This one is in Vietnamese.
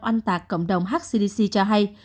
anh tạc cộng đồng hcdc cho hay